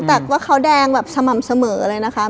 แต่ว่าเขาแดงแบบสม่ำเสมอเลยนะคะ